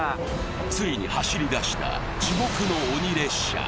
ついに走りだした地獄の鬼列車。